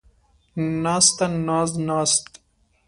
ناسته ، ناز ، ناست